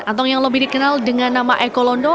atau yang lebih dikenal dengan nama eko londo